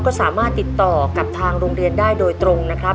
ก็สามารถติดต่อกับทางโรงเรียนได้โดยตรงนะครับ